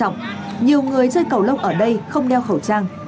nhiều người chơi cầu lông ở đây không đeo khẩu trang